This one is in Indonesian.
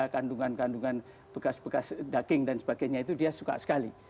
kandungan kandungan bekas bekas daging dan sebagainya itu dia suka sekali